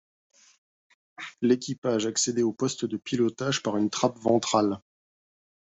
L’équipage accédait au poste de pilotage par une trappe ventrale.